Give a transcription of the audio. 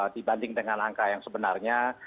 dibanding dengan angka yang sebenarnya